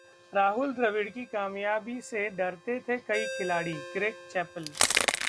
राहुल द्रविड़ की कामयाबी से डरते थे कई खिलाड़ी: ग्रेग चैपल